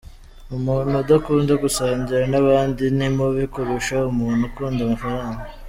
Umuntu udakunda gusangira n’abandi ni mubi kurusha umuntu ukunda amafaranga.